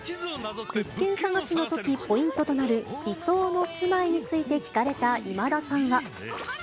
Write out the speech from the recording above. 物件探しのとき、ポイントとなる、理想の住まいについて聞かれた今田さんは。